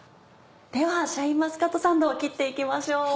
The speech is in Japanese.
ではシャインマスカットサンドを切って行きましょう。